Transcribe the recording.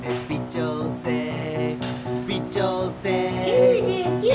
９９。